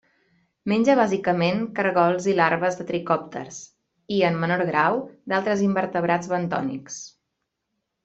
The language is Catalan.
Menja bàsicament caragols i larves de tricòpters, i, en menor grau, d'altres invertebrats bentònics.